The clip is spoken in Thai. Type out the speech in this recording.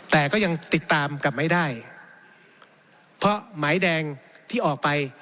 แต่ก็ยังติดตามกลับไม่ได้เพราะหมายแดงที่ออกไป